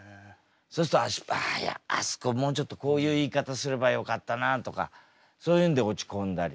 そうすると「あああそこもうちょっとこういう言い方すればよかったな」とかそういうんで落ち込んだりね。